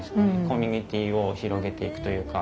コミュニティーを広げていくというか。